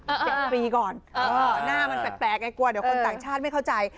๗ปีก่อนเออหน้ามันแปลกไงกลัวเดี๋ยวคนต่างชาติไม่เข้าใจ